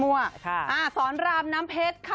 อ่าน้ำเพชรสร้อนรามน้ำเพชรค่ะ